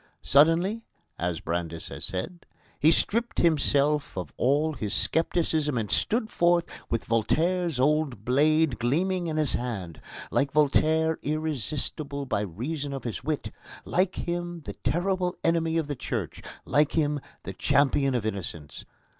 "Suddenly," as Brandes has said, "he stripped himself of all his scepticism and stood forth, with Voltaire's old blade gleaming in his hand like Voltaire irresistible by reason of his wit, like him the terrible enemy of the Church, like him the champion of innocence.